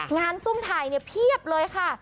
งานซุ่มไถเนี่ยเพียบเลยค่ะ